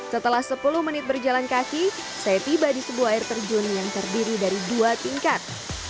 setelah sepuluh menit berjalan kaki saya tiba di sebuah air terjun yang terdiri dari dua tingkat